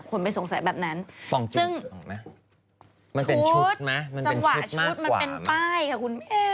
ควรไปสงสัยแบบนั้นซึ่งมันเป็นชุดมั้ยมันเป็นชุดมากกว่าจังหวะชุดมันเป็นป้ายค่ะคุณแม่